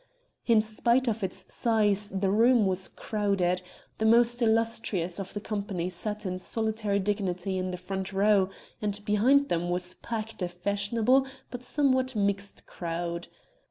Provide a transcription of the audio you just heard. In spite of its size the room was crowded; the most illustrious of the company sat in solitary dignity in the front row, and behind them was packed a fashionable but somewhat mixed crowd.